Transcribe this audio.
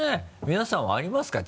皆さんはありますか？